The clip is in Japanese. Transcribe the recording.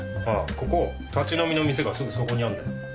あぁここ立ち飲みの店がすぐそこにあるんだよ。